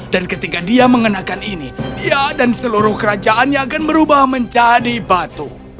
dan ketika dia mengenakan ini dia dan seluruh kerajaannya akan berubah menjadi batu